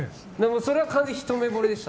それは完全にひと目ぼれでした。